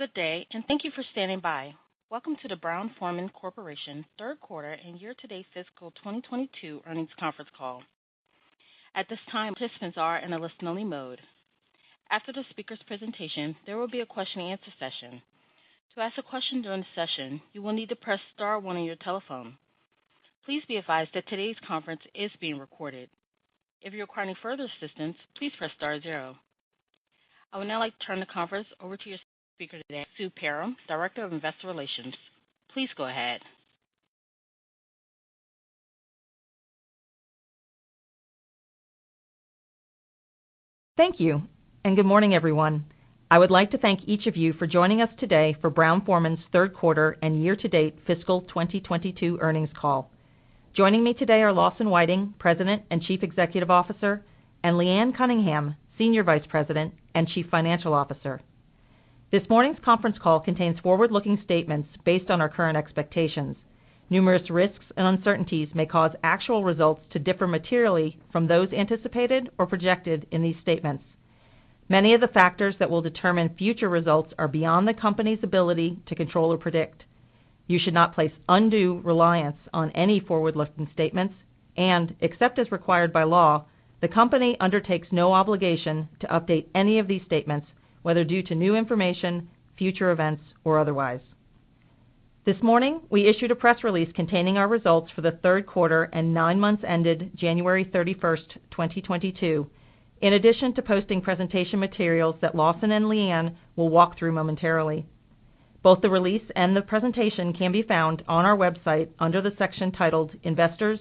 Good day, and thank you for standing by. Welcome to the Brown-Forman Corporation third-quarter and year-to-date fiscal 2022 earnings conference call. At this time, participants are in a listen-only mode. After the speaker's presentation, there will be a question-and-answer session. To ask a question during the session, you will need to press star one on your telephone. Please be advised that today's conference is being recorded. If you require any further assistance, please press star zero. I would now like to turn the conference over to your speaker today, Sue Perram, Director of Investor Relations. Please go ahead. Thank you. Good morning, everyone. I would like to thank each of you for joining us today for Brown-Forman's third quarter and year-to-date fiscal 2022 earnings call. Joining me today are Lawson Whiting, President and Chief Executive Officer, and Leanne Cunningham, Senior Vice President and Chief Financial Officer. This morning's conference call contains forward-looking statements based on our current expectations. Numerous risks and uncertainties may cause actual results to differ materially from those anticipated or projected in these statements. Many of the factors that will determine future results are beyond the company's ability to control or predict. You should not place undue reliance on any forward-looking statements. Except as required by law, the company undertakes no obligation to update any of these statements, whether due to new information, future events, or otherwise. This morning, we issued a press release containing our results for the third quarter and nine months ended January 31, 2022, in addition to posting presentation materials that Lawson and Leanne will walk through momentarily. Both the release and the presentation can be found on our website under the section titled Investors,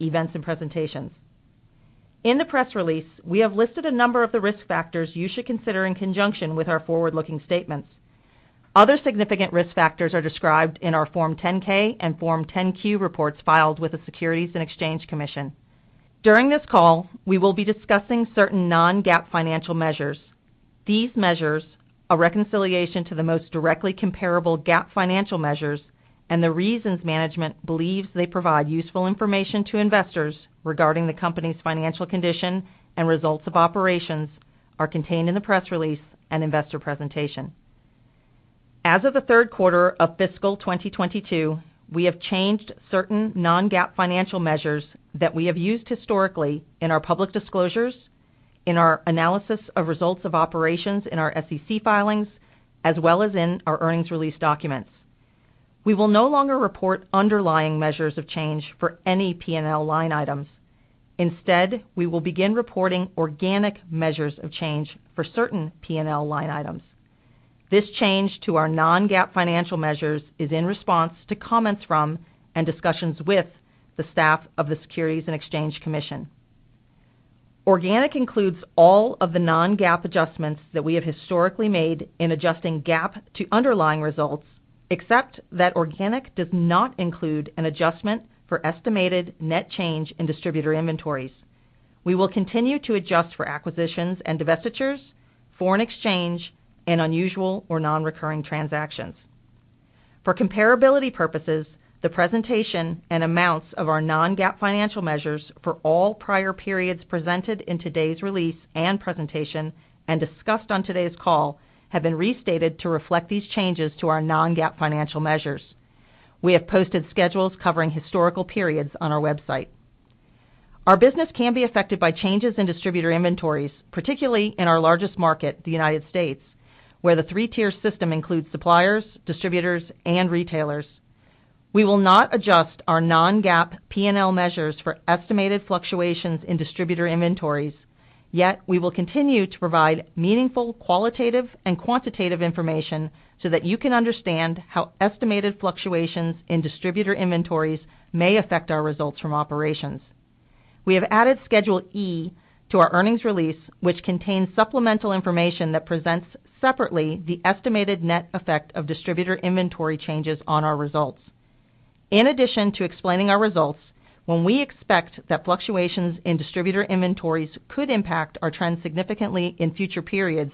Events, and Presentations. In the press release, we have listed a number of the risk factors you should consider in conjunction with our forward-looking statements. Other significant risk factors are described in our Form 10-K and Form 10-Q reports filed with the Securities and Exchange Commission. During this call, we will be discussing certain non-GAAP financial measures. These measures are reconciliations to the most directly comparable GAAP financial measures, and the reasons management believes they provide useful information to investors regarding the company's financial condition and results of operations are contained in the press release and investor presentation. As of the third quarter of fiscal 2022, we have changed certain non-GAAP financial measures that we have used historically in our public disclosures, in our analysis of results of operations in our SEC filings, as well as in our earnings release documents. We will no longer report underlying measures of change for any P&L line items. Instead, we will begin reporting organic measures of change for certain P&L line items. This change to our non-GAAP financial measures is in response to comments from and discussions with the staff of the Securities and Exchange Commission. Organic includes all of the non-GAAP adjustments that we have historically made in adjusting GAAP to underlying results, except that organic does not include an adjustment for estimated net change in distributor inventories. We will continue to adjust for acquisitions and divestitures, foreign exchange, and unusual or non-recurring transactions. For comparability purposes, the presentation and amounts of our non-GAAP financial measures for all prior periods presented in today's release and presentation, and discussed on today's call, have been restated to reflect these changes to our non-GAAP financial measures. We have posted schedules covering historical periods on our website. Our business can be affected by changes in distributor inventories, particularly in our largest market, the United States, where the three-tier system includes suppliers, distributors, and retailers. We will not adjust our non-GAAP P&L measures for estimated fluctuations in distributor inventories, yet we will continue to provide meaningful qualitative and quantitative information so that you can understand how estimated fluctuations in distributor inventories may affect our results from operations. We have added Schedule E to our earnings release, which contains supplemental information that presents separately the estimated net effect of distributor inventory changes on our results. In addition to explaining our results, when we expect that fluctuations in distributor inventories could impact our trend significantly in future periods,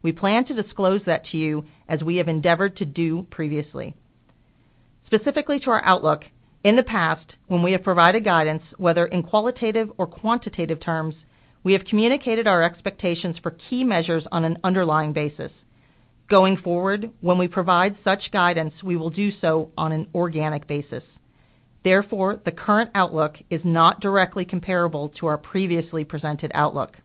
we plan to disclose that to you as we have endeavored to do previously. Specifically to our outlook, in the past, when we have provided guidance, whether in qualitative or quantitative terms, we have communicated our expectations for key measures on an underlying basis. Going forward, when we provide such guidance, we will do so on an organic basis. Therefore, the current outlook is not directly comparable to our previously presented outlook.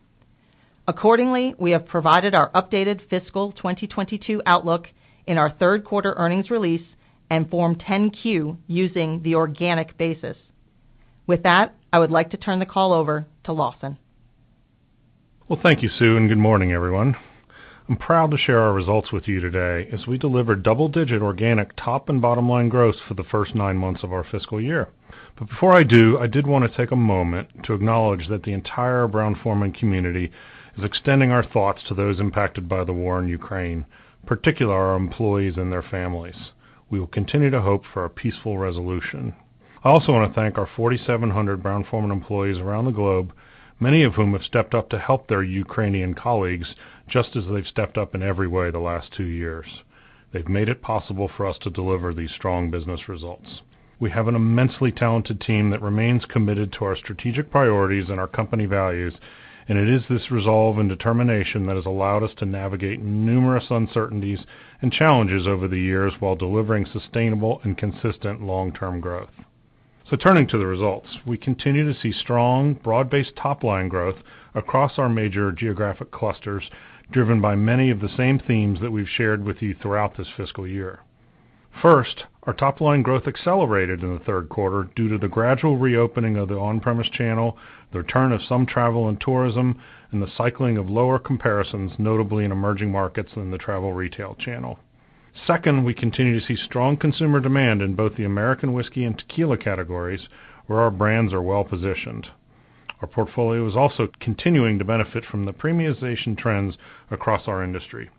Accordingly, we have provided our updated fiscal 2022 outlook in our third quarter earnings release and Form 10-Q using the organic basis. With that, I would like to turn the call over to Lawson. Well, thank you, Sue, and good morning, everyone. I'm proud to share our results with you today as we deliver double-digit organic top and bottom line growth for the first nine months of our fiscal year. Before I do, I did wanna take a moment to acknowledge that the entire Brown-Forman community is extending our thoughts to those impacted by the war in Ukraine, particularly our employees and their families. We will continue to hope for a peaceful resolution. I also wanna thank our 4,700 Brown-Forman employees around the globe, many of whom have stepped up to help their Ukrainian colleagues, just as they've stepped up in every way the last two years. They've made it possible for us to deliver these strong business results. We have an immensely talented team that remains committed to our strategic priorities and our company values, and it is this resolve and determination that have allowed us to navigate numerous uncertainties and challenges over the years while delivering sustainable and consistent long-term growth. Turning to the results, we continue to see strong, broad-based top-line growth across our major geographic clusters, driven by many of the same themes that we've shared with you throughout this fiscal year. First, our top-line growth accelerated in the third quarter due to the gradual reopening of the on-premise channel, the return of some travel and tourism, and the cycling of lower comparisons, notably in emerging markets in the travel retail channel. Second, we continue to see strong consumer demand in both the American whiskey and tequila categories, where our brands are well-positioned. Our portfolio is also continuing to benefit from the premiumization trends across our industry.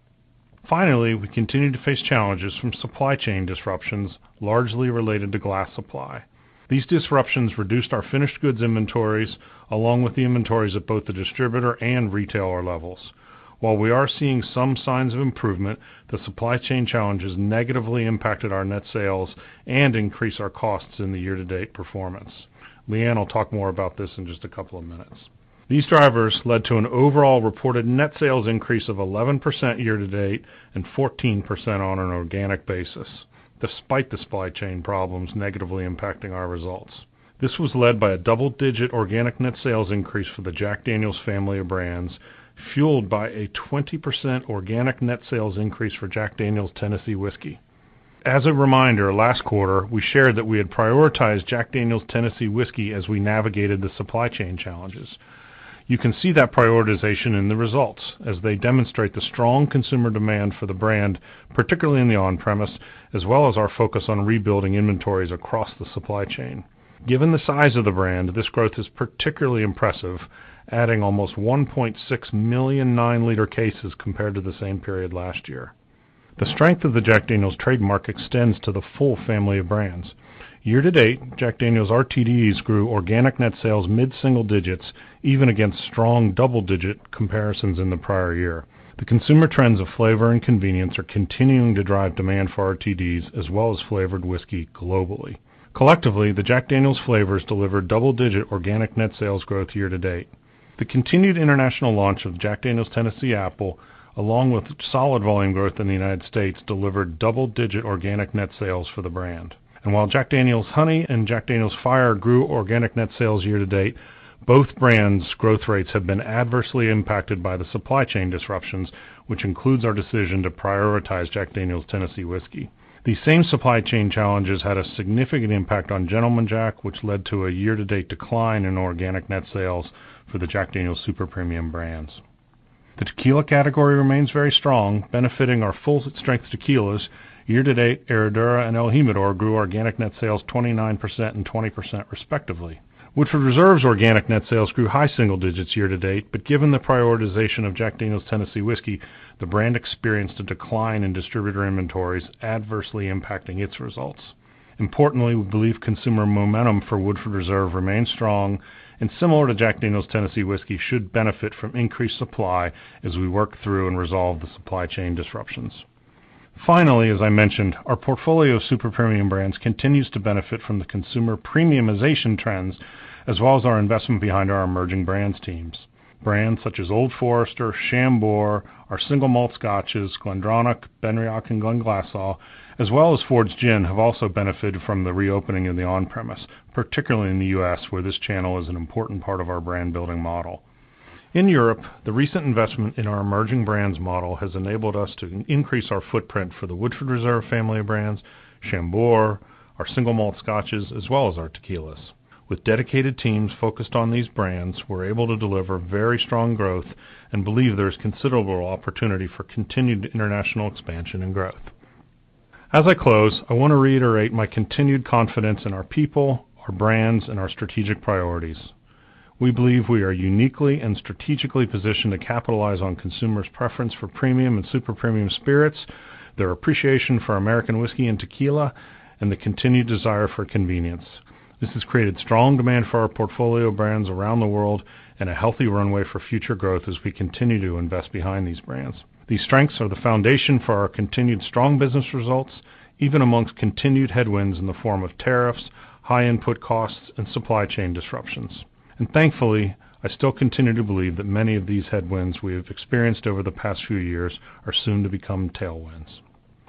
Finally, we continue to face challenges from supply chain disruptions, largely related to glass supply. These disruptions reduced our finished goods inventories, along with the inventories at both the distributor and retailer levels. While we are seeing some signs of improvement, the supply chain challenges negatively impacted our net sales and increased our costs in the year-to-date performance. Leanne will talk more about this in just a couple of minutes. These drivers led to an overall reported net sales increase of 11% year to date and 14% on an organic basis, despite the supply chain problems negatively impacting our results. This was led by a double-digit organic net sales increase for the Jack Daniel's family of brands, fueled by a 20% organic net sales increase for Jack Daniel's Tennessee Whiskey. As a reminder, last quarter, we shared that we had prioritized Jack Daniel's Tennessee Whiskey as we navigated the supply chain challenges. You can see that prioritization in the results as they demonstrate the strong consumer demand for the brand, particularly in the on-premises, as well as our focus on rebuilding inventories across the supply chain. Given the size of the brand, this growth is particularly impressive, adding almost 1.6 million nine-liter cases compared to the same period last year. The strength of the Jack Daniel's trademark extends to the full family of brands. Year to date, Jack Daniel's RTDs grew organic net sales mid-single digits, even against strong double-digit comparisons in the prior year. The consumer trends of flavor and convenience are continuing to drive demand for RTDs as well as flavored whiskey globally. Collectively, the Jack Daniel's flavors delivered double-digit organic net sales growth year to date. The continued international launch of Jack Daniel's Tennessee Apple, along with solid volume growth in the United States, delivered double-digit organic net sales for the brand. While Jack Daniel's Honey and Jack Daniel's Fire grew organic net sales year to date, both brands' growth rates have been adversely impacted by the supply chain disruptions, which include our decision to prioritize Jack Daniel's Tennessee Whiskey. These same supply chain challenges had a significant impact on Gentleman Jack, which led to a year-to-date decline in organic net sales for the Jack Daniel's super premium brands. The tequila category remains very strong, benefiting our full-strength tequilas. Year to date, Herradura and el Jimador grew organic net sales 29% and 20%, respectively. Woodford Reserve's organic net sales grew high single digits year to date, but given the prioritization of Jack Daniel's Tennessee Whiskey, the brand experienced a decline in distributor inventories, adversely impacting its results. Importantly, we believe consumer momentum for Woodford Reserve remains strong and, similar to Jack Daniel's Tennessee Whiskey, should benefit from increased supply as we work through and resolve the supply chain disruptions. Finally, as I mentioned, our portfolio of super premium brands continues to benefit from the consumer premiumization trends as well as our investment behind our emerging brands teams. Brands such as Old Forester, Chambord, our single malt scotches, GlenDronach, Benriach, and Glenglassaugh, as well as Fords Gin, have also benefited from the reopening of the on-premises, particularly in the U.S., where this channel is an important part of our brand-building model. In Europe, the recent investment in our emerging brands model has enabled us to increase our footprint for the Woodford Reserve family of brands, Chambord, our single malt scotches, as well as our tequilas. With dedicated teams focused on these brands, we're able to deliver very strong growth and believe there is considerable opportunity for continued international expansion and growth. As I close, I want to reiterate my continued confidence in our people, our brands, and our strategic priorities. We believe we are uniquely and strategically positioned to capitalize on consumers' preference for premium and super premium spirits, their appreciation for American whiskey and tequila, and the continued desire for convenience. This has created strong demand for our portfolio of brands around the world and a healthy runway for future growth as we continue to invest behind these brands. These strengths are the foundation for our continued strong business results, even amongst continued headwinds in the form of tariffs, high input costs, and supply chain disruptions. Thankfully, I still continue to believe that many of these headwinds we have experienced over the past few years are soon to become tailwinds.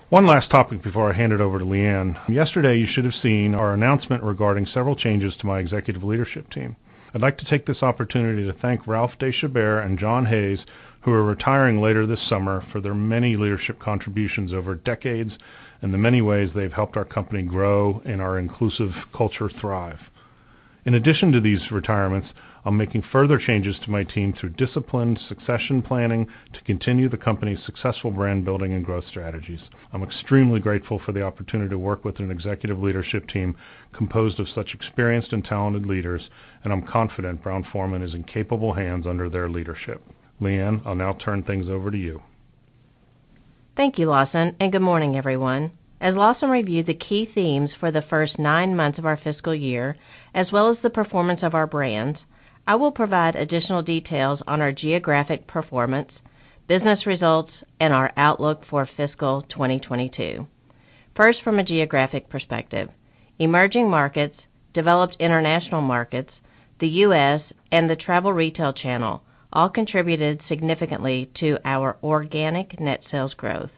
One last topic before I hand it over to Leanne. Yesterday, you should have seen our announcement regarding several changes to my executive leadership team. I'd like to take this opportunity to thank Ralph de Chabert and John Hayes, who are retiring later this summer, for their many leadership contributions over decades and the many ways they've helped our company grow and our inclusive culture thrive. In addition to these retirements, I'm making further changes to my team through disciplined succession planning to continue the company's successful brand building and growth strategies. I'm extremely grateful for the opportunity to work with an executive leadership team composed of such experienced and talented leaders, and I'm confident Brown-Forman is in capable hands under their leadership. Leanne, I'll now turn things over to you. Thank you, Lawson, and good morning, everyone. As Lawson reviewed the key themes for the first nine months of our fiscal year, as well as the performance of our brands, I will provide additional details on our geographic performance, business results, and our outlook for fiscal 2022. First, from a geographic perspective. Emerging markets, developed international markets, the U.S., and the travel retail channel all contributed significantly to our organic net sales growth.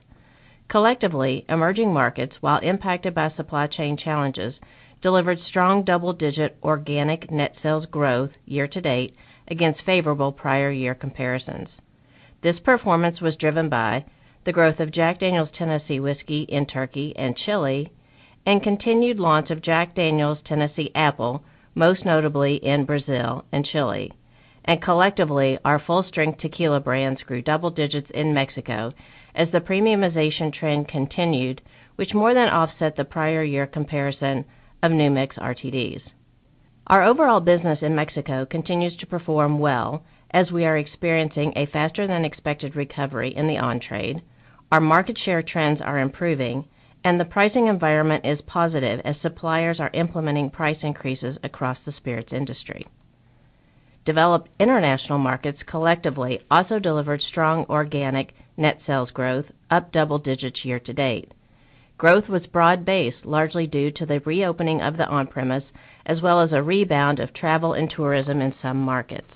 Collectively, emerging markets, while impacted by supply chain challenges, delivered strong double-digit organic net sales growth year to date against favorable prior year comparisons. This performance was driven by the growth of Jack Daniel's Tennessee Whiskey in Turkey and Chile, and continued launch of Jack Daniel's Tennessee Apple, most notably in Brazil and Chile. Collectively, our full-strength tequila brands grew double digits in Mexico as the premiumization trend continued, which more than offset the prior year comparison of New Mix RTDs. Our overall business in Mexico continues to perform well as we are experiencing a faster-than-expected recovery in the on-trade. Our market share trends are improving, and the pricing environment is positive as suppliers are implementing price increases across the spirits industry. Developed international markets collectively also delivered strong organic net sales growth up double digits year to date. Growth was broad-based, largely due to the reopening of the on-premise as well as a rebound of travel and tourism in some markets.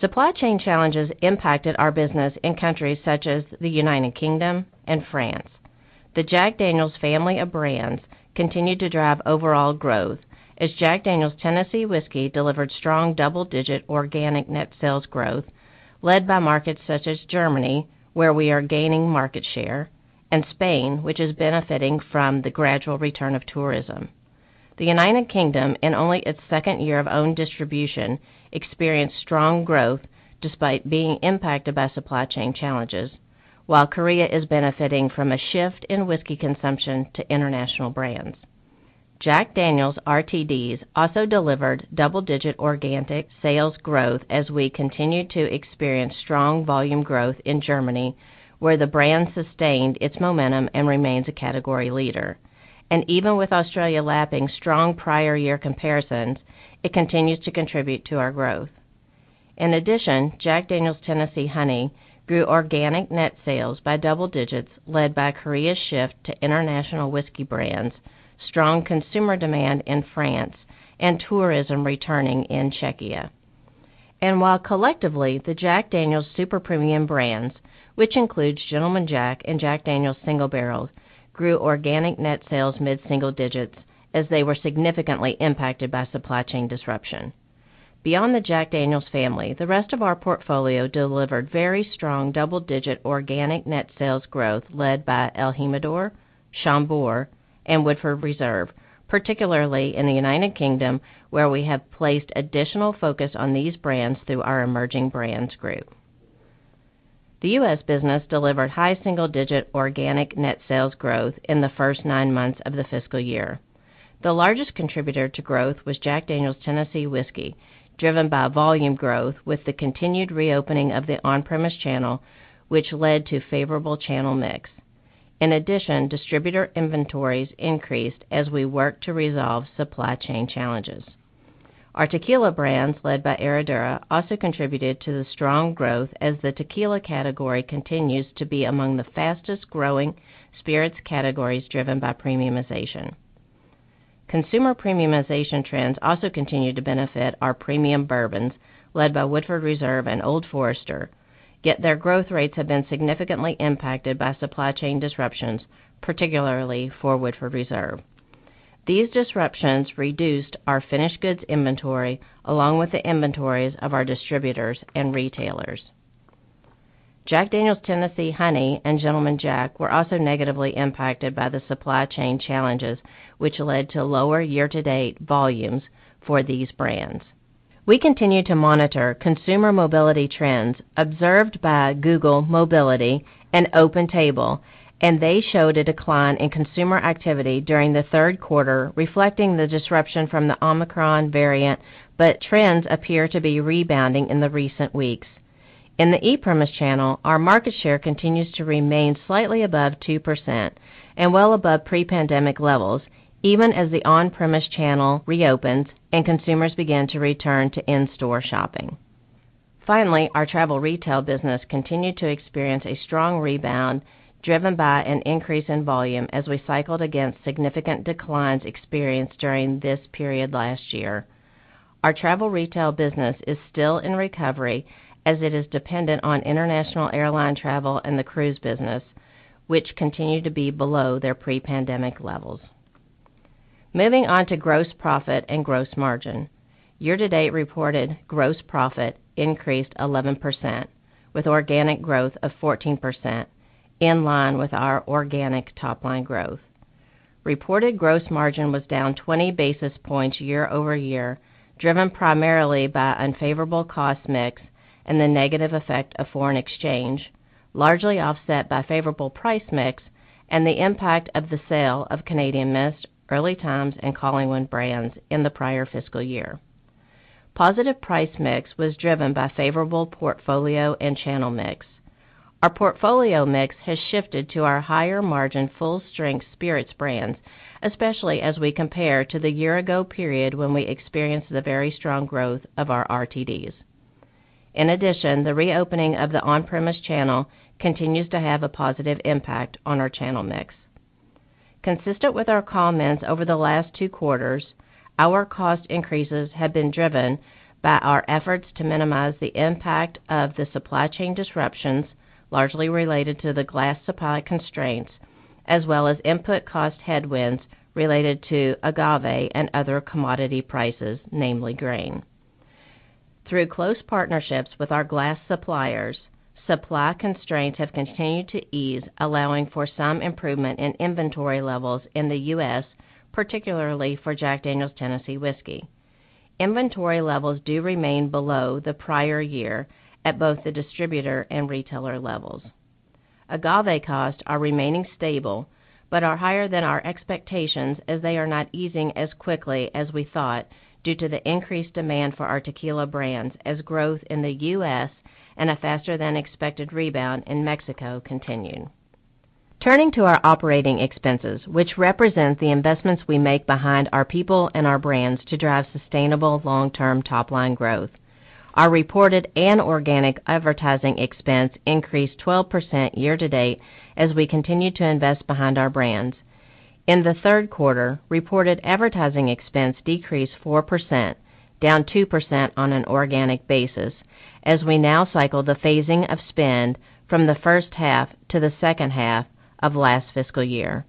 Supply chain challenges impacted our business in countries such as the United Kingdom and France. The Jack Daniel's family of brands continued to drive overall growth as Jack Daniel's Tennessee Whiskey delivered strong double-digit organic net sales growth, led by markets such as Germany, where we are gaining market share, and Spain, which is benefiting from the gradual return of tourism. The United Kingdom, in only its second year of own distribution, experienced strong growth despite being impacted by supply chain challenges, while Korea is benefiting from a shift in whiskey consumption to international brands. Jack Daniel's RTDs also delivered double-digit organic sales growth as we continue to experience strong volume growth in Germany, where the brand sustained its momentum and remains a category leader. Even with Australia lapping strong prior year comparisons, it continues to contribute to our growth. In addition, Jack Daniel's Tennessee Honey grew organic net sales by double-digit, led by Korea's shift to international whiskey brands, strong consumer demand in France, and tourism returning in Czechia. While collectively, the Jack Daniel's super premium brands, which include Gentleman Jack and Jack Daniel's Single Barrel, grew organic net sales mid-single digits as they were significantly impacted by supply chain disruption. Beyond the Jack Daniel's family, the rest of our portfolio delivered very strong double-digit organic net sales growth, led by el Jimador, Chambord, and Woodford Reserve, particularly in the United Kingdom, where we have placed additional focus on these brands through our emerging brands group. The U.S. business delivered high single-digit organic net sales growth in the first nine months of the fiscal year. The largest contributor to growth was Jack Daniel's Tennessee Whiskey, driven by volume growth with the continued reopening of the on-premise channel, which led to favorable channel mix. In addition, distributor inventories increased as we work to resolve supply chain challenges. Our tequila brands, led by Herradura, also contributed to the strong growth as the tequila category continues to be among the fastest-growing spirits categories driven by premiumization. Consumer premiumization trends also continue to benefit our premium bourbons, led by Woodford Reserve and Old Forester, yet their growth rates have been significantly impacted by supply chain disruptions, particularly for Woodford Reserve. These disruptions reduced our finished goods inventory along with the inventories of our distributors and retailers. Jack Daniel's Tennessee Honey and Gentleman Jack were also negatively impacted by the supply chain challenges, which led to lower year-to-date volumes for these brands. We continue to monitor consumer mobility trends observed by Google Mobility and OpenTable, and they showed a decline in consumer activity during the third quarter, reflecting the disruption from the Omicron variant, but trends appear to be rebounding in the recent weeks. In the off-premise channel, our market share continues to remain slightly above 2% and well above pre-pandemic levels, even as the on-premise channel reopens and consumers begin to return to in-store shopping. Finally, our travel retail business continued to experience a strong rebound driven by an increase in volume as we cycled against significant declines experienced during this period last year. Our travel retail business is still in recovery as it is dependent on international airline travel and the cruise business, which continue to be below their pre-pandemic levels. Moving on to gross profit and gross margin. Year-to-date reported gross profit increased 11% with organic growth of 14% in line with our organic top line growth. Reported gross margin was down 20 basis points year-over-year, driven primarily by unfavorable cost mix and the negative effect of foreign exchange, largely offset by favorable price mix and the impact of the sale of Canadian Mist, Early Times, and Collingwood brands in the prior fiscal year. Positive price mix was driven by favorable portfolio and channel mix. Our portfolio mix has shifted to our higher margin full-strength spirits brands, especially as we compare to the year ago period when we experienced the very strong growth of our RTDs. In addition, the reopening of the on-premise channel continues to have a positive impact on our channel mix. Consistent with our comments over the last two quarters, our cost increases have been driven by our efforts to minimize the impact of the supply chain disruptions, largely related to the glass supply constraints, as well as input cost headwinds related to agave and other commodity prices, namely grain. Through close partnerships with our glass suppliers, supply constraints have continued to ease, allowing for some improvement in inventory levels in the U.S., particularly for Jack Daniel's Tennessee Whiskey. Inventory levels do remain below the prior year at both the distributor and retailer levels. Agave costs are remaining stable, but are higher than our expectations as they are not easing as quickly as we thought due to the increased demand for our tequila brands as growth in the U.S. and a faster-than-expected rebound in Mexico continue. Turning to our operating expenses, which represent the investments we make behind our people and our brands to drive sustainable long-term top-line growth. Our reported and organic advertising expense increased 12% year to date as we continue to invest behind our brands. In the third quarter, reported advertising expense decreased 4%, down 2% on an organic basis, as we now cycle the phasing of spend from the first half to the second half of last fiscal year.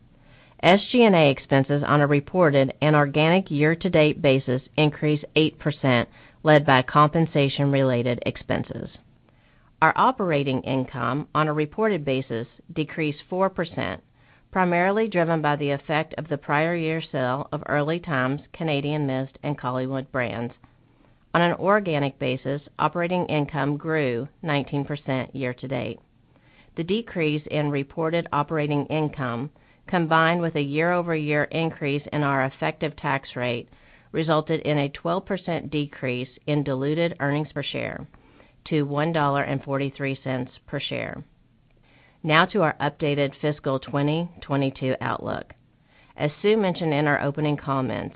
SG&A expenses on a reported and organic year-to-date basis increased 8%, led by compensation-related expenses. Our operating income on a reported basis decreased 4%, primarily driven by the effect of the prior year sale of Early Times, Canadian Mist, and Collingwood brands. On an organic basis, operating income grew 19% year to date. The decrease in reported operating income, combined with a year-over-year increase in our effective tax rate, resulted in a 12% decrease in diluted earnings per share to $1.43 per share. Now to our updated fiscal 2022 outlook. As Sue mentioned in our opening comments,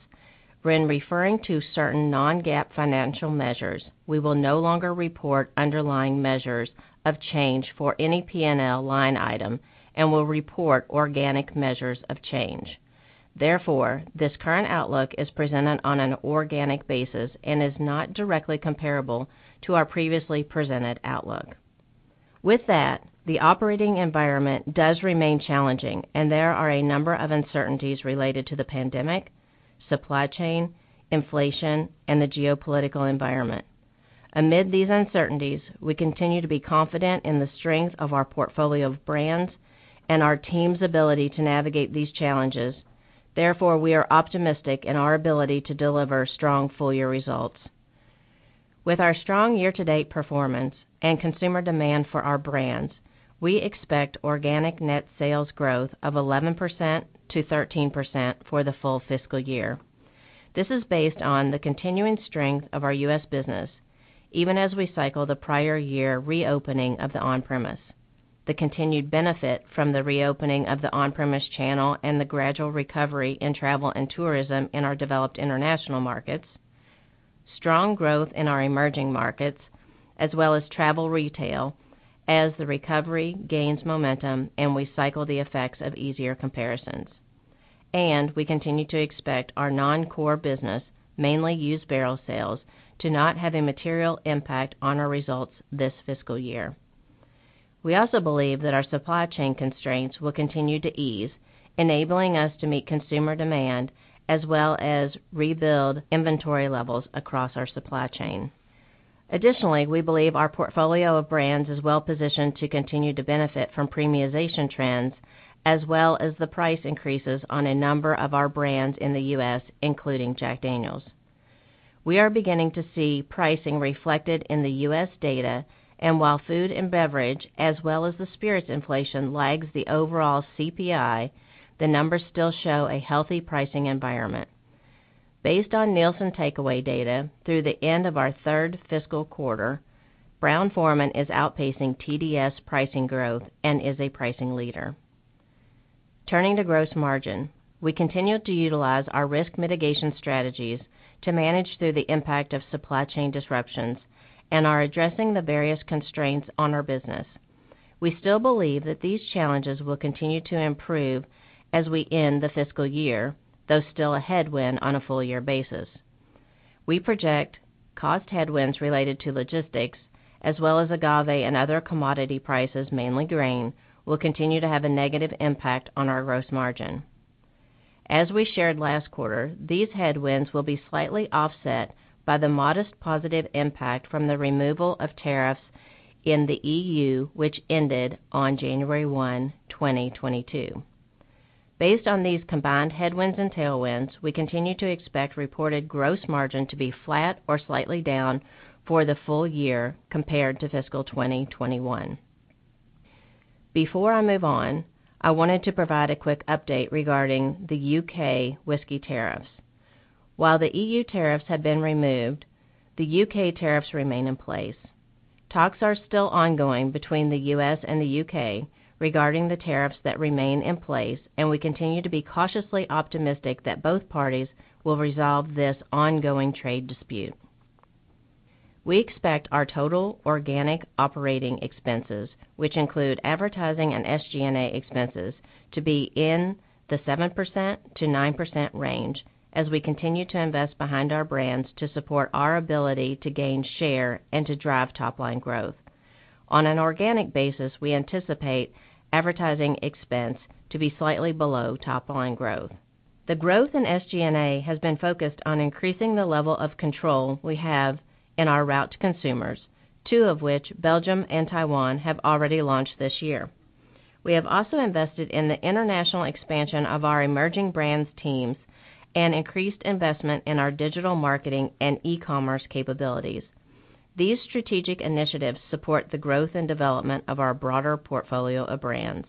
when referring to certain non-GAAP financial measures, we will no longer report underlying measures of change for any P&L line item and will report organic measures of change. Therefore, this current outlook is presented on an organic basis and is not directly comparable to our previously presented outlook. With that, the operating environment does remain challenging, and there are a number of uncertainties related to the pandemic, supply chain, inflation, and the geopolitical environment. Amid these uncertainties, we continue to be confident in the strength of our portfolio of brands and our team's ability to navigate these challenges. Therefore, we are optimistic in our ability to deliver strong full-year results. With our strong year-to-date performance and consumer demand for our brands, we expect organic net sales growth of 11%-13% for the full fiscal year. This is based on the continuing strength of our U.S. business, even as we cycle the prior year reopening of the on-premise, the continued benefit from the reopening of the on-premise channel, and the gradual recovery in travel and tourism in our developed international markets, strong growth in our emerging markets, as well as travel retail as the recovery gains momentum and we cycle the effects of easier comparisons. We continue to expect our non-core business, mainly used barrel sales, to not have a material impact on our results this fiscal year. We also believe that our supply chain constraints will continue to ease, enabling us to meet consumer demand as well as rebuild inventory levels across our supply chain. Additionally, we believe our portfolio of brands is well positioned to continue to benefit from premiumization trends as well as the price increases on a number of our brands in the U.S., including Jack Daniel's. We are beginning to see pricing reflected in the U.S. data, and while food and beverage as well as the spirits inflation lags the overall CPI, the numbers still show a healthy pricing environment. Based on Nielsen takeaway data through the end of our third fiscal quarter, Brown-Forman is outpacing TDS pricing growth and is a pricing leader. Turning to gross margin, we continue to utilize our risk mitigation strategies to manage through the impact of supply chain disruptions and are addressing the various constraints on our business. We still believe that these challenges will continue to improve as we end the fiscal year, though still a headwind on a full year basis. We project cost headwinds related to logistics as well as agave and other commodity prices, mainly grain, will continue to have a negative impact on our gross margin. As we shared last quarter, these headwinds will be slightly offset by the modest positive impact from the removal of tariffs in the EU, which ended on January 1, 2022. Based on these combined headwinds and tailwinds, we continue to expect reported gross margin to be flat or slightly down for the full year compared to fiscal 2021. Before I move on, I wanted to provide a quick update regarding the U.K. whiskey tariffs. While the EU tariffs have been removed, the U.K. tariffs remain in place. Talks are still ongoing between the U.S. and the U.K. regarding the tariffs that remain in place, and we continue to be cautiously optimistic that both parties will resolve this ongoing trade dispute. We expect our total organic operating expenses, which include advertising and SG&A expenses, to be in the 7%-9% range as we continue to invest behind our brands to support our ability to gain share and to drive top-line growth. On an organic basis, we anticipate advertising expense to be slightly below top-line growth. The growth in SG&A has been focused on increasing the level of control we have in our route to consumers, two of which, Belgium and Taiwan, have already launched this year. We have also invested in the international expansion of our emerging brands teams and increased investment in our digital marketing and e-commerce capabilities. These strategic initiatives support the growth and development of our broader portfolio of brands.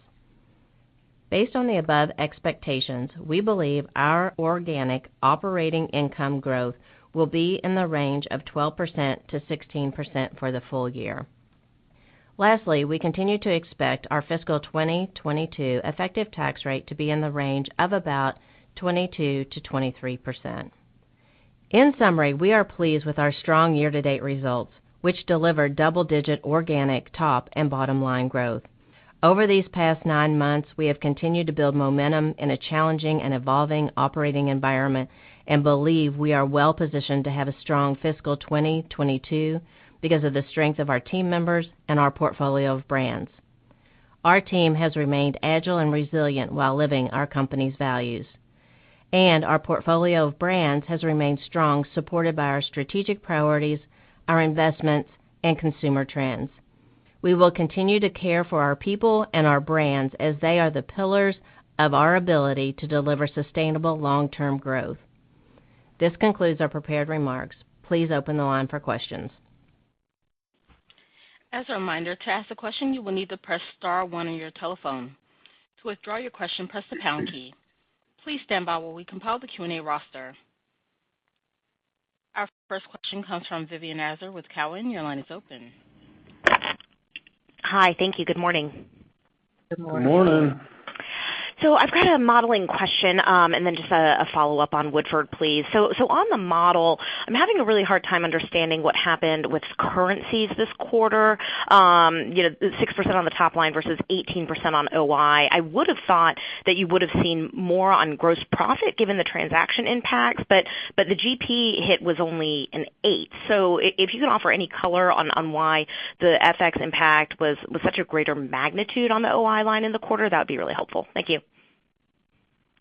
Based on the above expectations, we believe our organic operating income growth will be in the range of 12%-16% for the full-year. Lastly, we continue to expect our fiscal 2022 effective tax rate to be in the range of about 22%-23%. In summary, we are pleased with our strong year-to-date results, which delivered double-digit organic top and bottom line growth. Over these past nine months, we have continued to build momentum in a challenging and evolving operating environment, and believe we are well-positioned to have a strong fiscal 2022 because of the strength of our team members and our portfolio of brands. Our team has remained agile and resilient while living our company's values. Our portfolio of brands has remained strong, supported by our strategic priorities, our investments, and consumer trends. We will continue to care for our people and our brands as they are the pillars of our ability to deliver sustainable long-term growth. This concludes our prepared remarks. Please open the line for questions. As a reminder, to ask a question, you will need to press star one on your telephone. To withdraw your question, press the pound key. Please stand by while we compile the Q&A roster. Our first question comes from Vivien Azer with Cowen. Your line is open. Hi. Thank you. Good morning. Good morning. Good morning. I've got a modeling question, and then just a follow-up on Woodford, please. On the model, I'm having a really hard time understanding what happened with currencies this quarter. You know, the 6% on the top line versus 18% on OI. I would have thought that you would have seen more on gross profit given the transaction impacts, but the GP hit was only an eight. If you can offer any color on why the FX impact was such a greater magnitude on the OI line in the quarter, that would be really helpful. Thank you.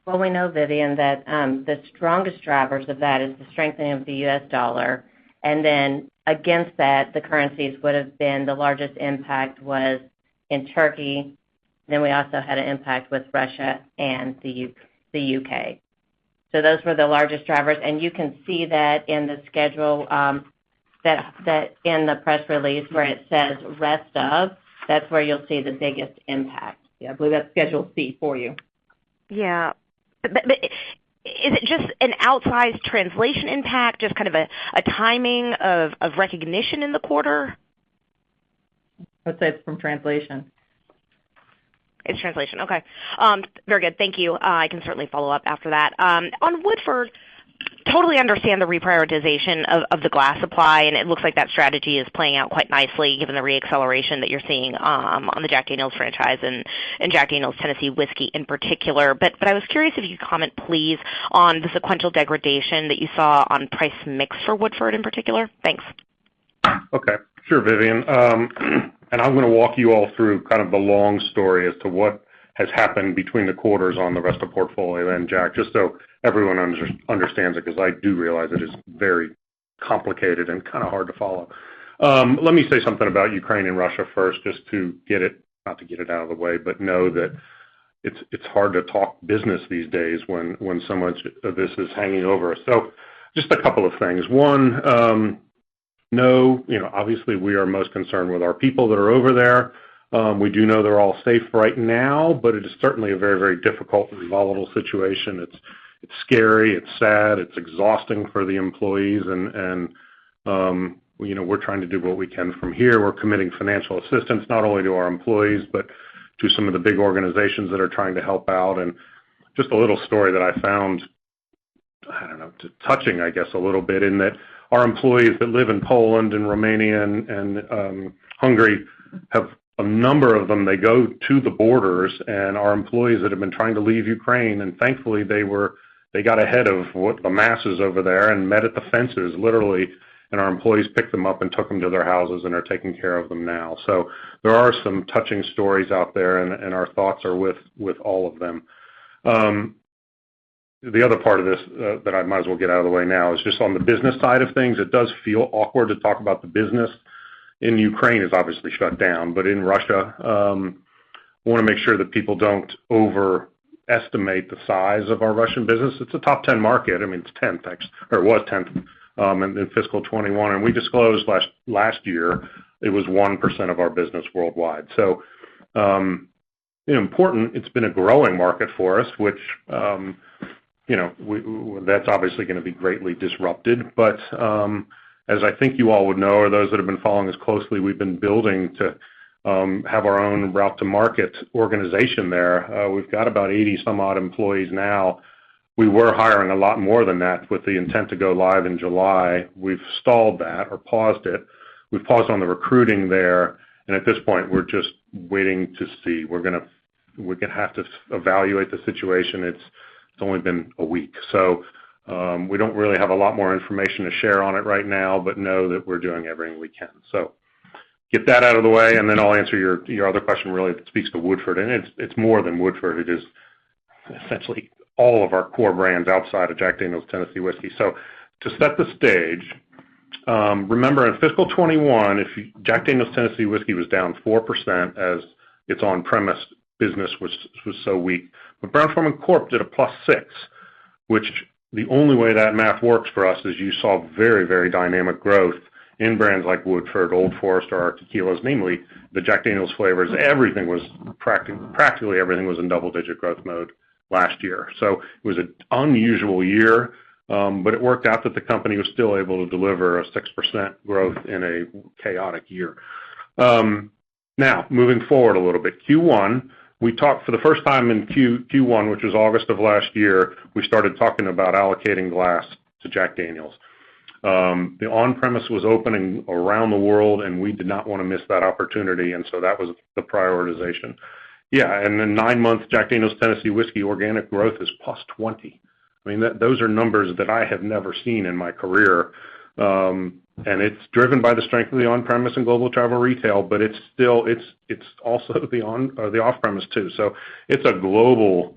Well, we know, Vivien, that the strongest drivers of that is the strengthening of the U.S. dollar, and then against that, the currencies would have been the largest impact was in Turkey, then we also had an impact with Russia and the U.K. So those were the largest drivers, and you can see that in the schedule that in the press release where it says rest of, that's where you'll see the biggest impact. Yeah, I believe that's Schedule C for you. Yeah. Is it just an outsized translation impact, just kind of a timing of recognition in the quarter? I'd say it's from translation. It's translation. Okay. Very good. Thank you. I can certainly follow up after that. On Woodford, I totally understand the reprioritization of the glass supply, and it looks like that strategy is playing out quite nicely given the re-acceleration that you're seeing on the Jack Daniel's franchise and Jack Daniel's Tennessee Whiskey in particular. I was curious if you could comment, please, on the sequential degradation that you saw on price mix for Woodford in particular. Thanks. Okay. Sure, Vivien. I'm gonna walk you all through kind of the long story as to what has happened between the quarters on the rest of portfolio and Jack, just so everyone understands it, because I do realize it is very complicated and kind of hard to follow. Let me say something about Ukraine and Russia first, just to get it, not to get it out of the way, but know that it's hard to talk business these days when so much of this is hanging over us. Just a couple of things. One, you know, obviously, we are most concerned with our people that are over there. We do know they're all safe right now, but it is certainly a very difficult and volatile situation. It's scary, it's sad, it's exhausting for the employees. You know, we're trying to do what we can from here. We're committing financial assistance not only to our employees, but to some of the big organizations that are trying to help out. Just a little story that I found, I don't know, touching, I guess, a little bit, in that our employees that live in Poland, and Romania, and Hungary have a number of them. They go to the borders and our employees that have been trying to leave Ukraine, and thankfully, they got ahead of what the masses over there and met at the fences, literally, and our employees picked them up and took them to their houses and are taking care of them now. There are some touching stories out there, and our thoughts are with all of them. The other part of this that I might as well get out of the way now is just on the business side of things. It does feel awkward to talk about the business, and Ukraine is obviously shut down. In Russia, I wanna make sure that people don't overestimate the size of our Russian business. It's a top 10 market. I mean, it's tenth, or it was tenth, in fiscal 2021. We disclosed last year, it was 1% of our business worldwide. Important, it's been a growing market for us, which, you know, that's obviously gonna be greatly disrupted. As I think you all would know, or those that have been following this closely, we've been building to have our own route to market organization there. We've got about 80 some odd employees now. We were hiring a lot more than that with the intent to go live in July. We've stalled that or paused it. We've paused on the recruiting there, and at this point, we're just waiting to see. We're gonna have to evaluate the situation. It's only been a week. We don't really have a lot more information to share on it right now, but know that we're doing everything we can. Get that out of the way, and then I'll answer your other question really that speaks to Woodford. It's more than Woodford. It is essentially all of our core brands outside of Jack Daniel's Tennessee Whiskey. To set the stage, remember in fiscal 2021, Jack Daniel's Tennessee Whiskey was down 4% as its on-premise business was so weak. Brown-Forman Corporation did a +6%, which the only way that math works for us is you saw very, very dynamic growth in brands like Woodford, Old Forester, our tequilas, namely the Jack Daniel's flavors. Practically everything was in double-digit growth mode last year. It was an unusual year, but it worked out that the company was still able to deliver a 6% growth in a chaotic year. Now moving forward a little bit. In Q1, we talked for the first time, which was August of last year, we started talking about allocating glass to Jack Daniel's. The on-premise was opening around the world, and we did not wanna miss that opportunity, and so that was the prioritization. Yeah, and then nine months, Jack Daniel's Tennessee Whiskey organic growth is +20%. I mean, those are numbers that I have never seen in my career. And it's driven by the strength of the on-premise and global travel retail, but it's still. It's also the off-premise, too. So it's a global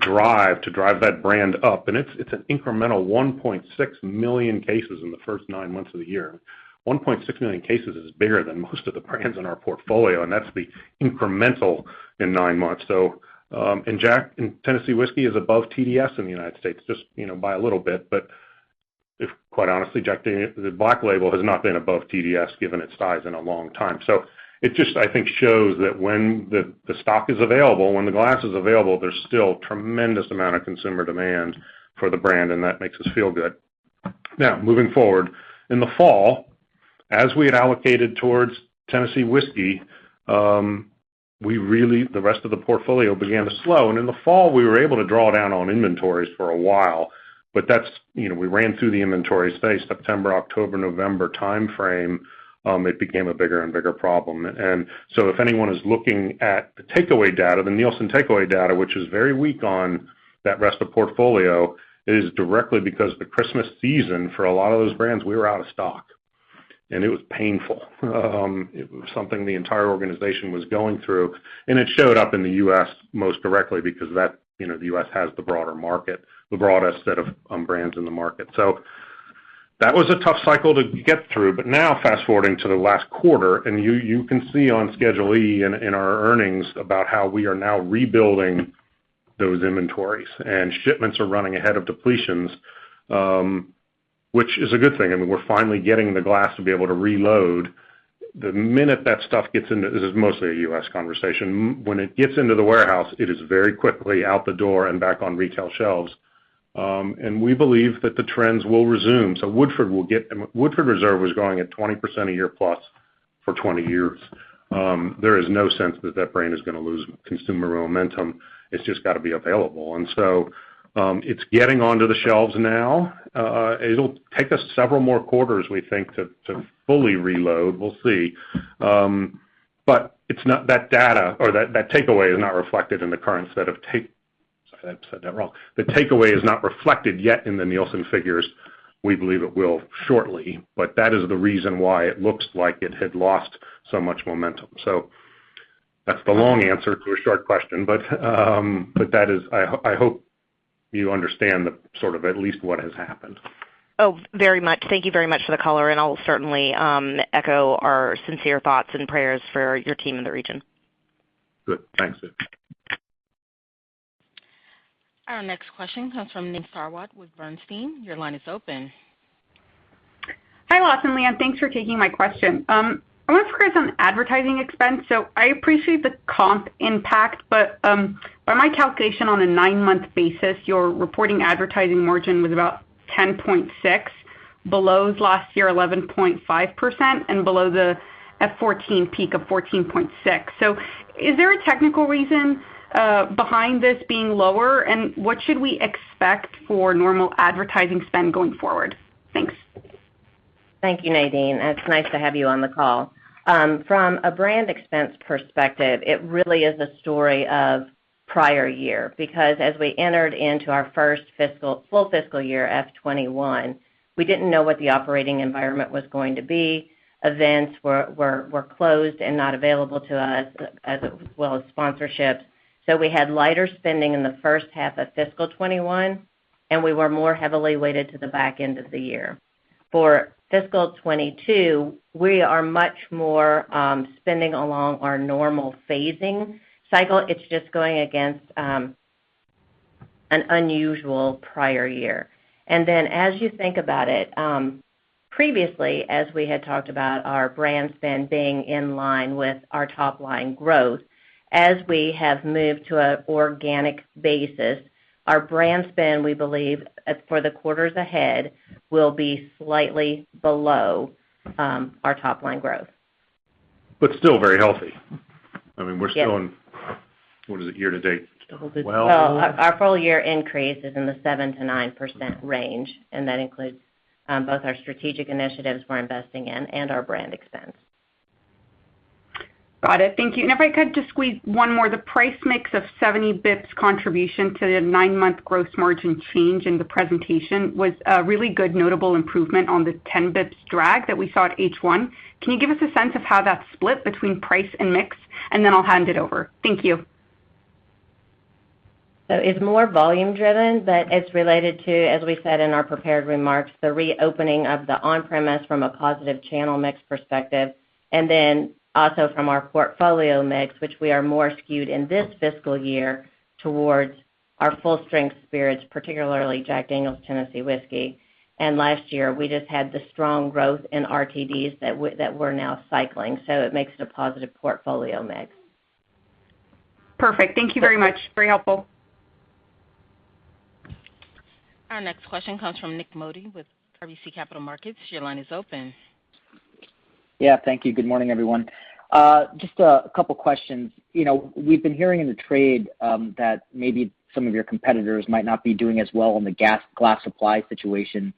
drive to drive that brand up, and it's an incremental 1.6 million cases in the first nine months of the year. 1.6 million cases is bigger than most of the brands in our portfolio, and that's the incremental in nine months. So, and Tennessee Whiskey is above TDS in the United States, just, you know, by a little bit. If, quite honestly, Jack Daniel's the Black Label has not been above TDS, given its size, in a long time. It just, I think, shows that when the stock is available, when the glass is available, there's still tremendous amount of consumer demand for the brand, and that makes us feel good. Now, moving forward. In the fall, as we had allocated towards Tennessee Whiskey, the rest of the portfolio began to slow. In the fall, we were able to draw down on inventories for a while, but that's. You know, we ran through the inventory space September, October, November timeframe, it became a bigger and bigger problem. If anyone is looking at the takeaway data, the Nielsen takeaway data, which is very weak on that rest of portfolio, it is directly because the Christmas season, for a lot of those brands, we were out of stock, and it was painful. It was something the entire organization was going through, and it showed up in the U.S. most directly because that, you know, the U.S. has the broader market, the broadest set of brands in the market. That was a tough cycle to get through. Now. Fast-forwarding to the last quarter, and you can see on Schedule E in our earnings about how we are now rebuilding those inventories. Shipments are running ahead of depletions, which is a good thing. I mean, we're finally getting the glass to be able to reload. The minute that stuff gets into This is mostly a U.S. consumption. When it gets into the warehouse, it is very quickly out the door and back on retail shelves. We believe that the trends will resume. Woodford Reserve was growing at 20% a year plus for 20 years. There is no sense that that brand is gonna lose consumer momentum. It's just gotta be available. It's getting onto the shelves now. It'll take us several more quarters, we think, to fully reload. We'll see. The takeaway is not reflected yet in the Nielsen figures. We believe it will shortly, but that is the reason why it looks like it had lost so much momentum. That's the long answer to a short question. But that is, I hope you understand the sort of at least what has happened. Oh, very much. Thank you very much for the color, and I'll certainly echo our sincere thoughts and prayers for your team in the region. Good. Thanks. Our next question comes from Nadine Sarwat with Bernstein. Your line is open. Hi, Lawson, Leanne. Thanks for taking my question. I wanna focus on advertising expense. I appreciate the comp impact, but by my calculation, on a nine-month basis, your reporting advertising margin was about 10.6%, below last year 11.5% and below the FY 2014 peak of 14.6%. Is there a technical reason behind this being lower? What should we expect for normal advertising spend going forward? Thanks. Thank you, Nadine. It's nice to have you on the call. From a brand expense perspective, it really is a story of prior year because as we entered into our first full fiscal year 2021, we didn't know what the operating environment was going to be. Events were closed and not available to us as well as sponsorships. We had lighter spending in the first half of fiscal 2021, and we were more heavily weighted to the back end of the year. For fiscal 2022, we are much more spending along our normal phasing cycle. It's just going against an unusual prior year. As you think about it, previously, as we had talked about our brand spend being in line with our top line growth, as we have moved to an organic basis, our brand spend, we believe, for the quarters ahead, will be slightly below our top line growth. Still very healthy. I mean, we're still in, what is it, year-to-date? 12%. Well, our full year increase is in the 7%-9% range, and that includes both our strategic initiatives we're investing in and our brand expense. Got it. Thank you. If I could just squeeze one more. The price mix of 70 bps contribution to the nine-month gross margin change in the presentation was a really good notable improvement on the 10 basis points drag that we saw at H1. Can you give us a sense of how that's split between price and mix? Then I'll hand it over. Thank you. It's more volume driven, but it's related to, as we said in our prepared remarks, the reopening of the on-premise from a positive channel mix perspective, and then also from our portfolio mix, which we are more skewed in this fiscal year towards our full strength spirits, particularly Jack Daniel's Tennessee Whiskey. Last year, we just had the strong growth in RTDs that we're now cycling, so it makes it a positive portfolio mix. Perfect. Thank you very much. Very helpful. Our next question comes from Nik Modi with RBC Capital Markets. Your line is open. Yeah, thank you. Good morning, everyone. Just a couple questions. You know, we've been hearing in the trade that maybe some of your competitors might not be doing as well in the glass supply situation.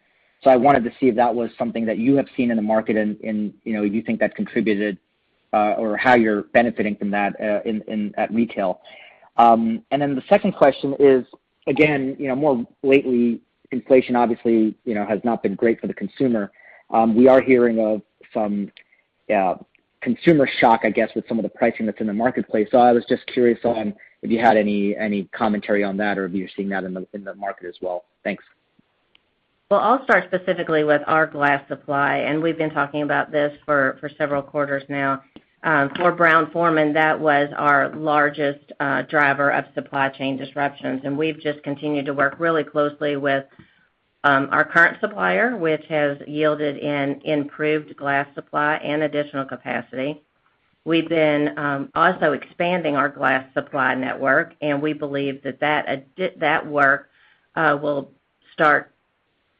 I wanted to see if that was something that you have seen in the market and, you know, you think that contributed or how you're benefiting from that in at retail. Then the second question is, again, you know, more lately, inflation obviously, you know, has not been great for the consumer. We are hearing of some consumer shock, I guess, with some of the pricing that's in the marketplace. I was just curious on if you had any commentary on that or if you're seeing that in the market as well. Thanks. Well, I'll start specifically with our glass supply, and we've been talking about this for several quarters now. For Brown-Forman, that was our largest driver of supply chain disruptions. We've just continued to work really closely with our current supplier, which has yielded an improved glass supply and additional capacity. We've been also expanding our glass supply network, and we believe that that work will start